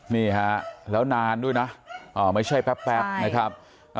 นี่ฮะแล้วนานด้วยนะไม่ใช่แป๊บนะครับ